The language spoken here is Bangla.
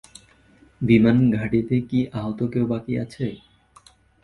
বিমান ঘাঁটিতে কি আহত কেউ বাকি আছে?